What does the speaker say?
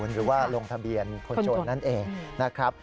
หรือว่าลงทะเบียนคนโจรนั่นเองนะครับ